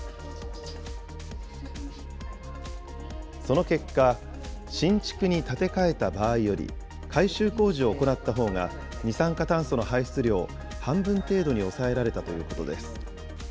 その結果、新築に建て替えた場合より、改修工事を行ったほうが二酸化炭素の排出量を半分程度に抑えられたということです。